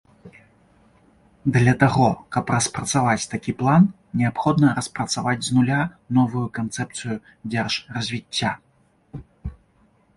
Для таго каб распрацаваць такі план, неабходна распрацаваць з нуля новую канцэпцыю дзяржразвіцця.